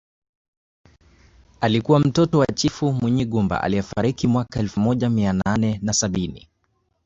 Alikuwa mtoto wa chifu Munyigumba aliyefariki mwaka elfu moja mia nane na sabini